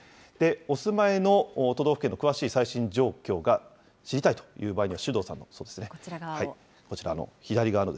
お住まいの都道府県の詳しい最新状況が知りたいという場合には、こちら側を。